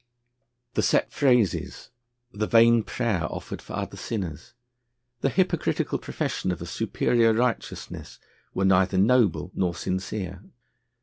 The set phrases, the vain prayer offered for other sinners, the hypocritical profession of a superior righteousness, were neither noble nor sincere.